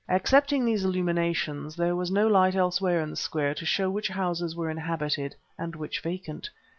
Excepting these illuminations, there was no light elsewhere in the square to show which houses were inhabited and which vacant.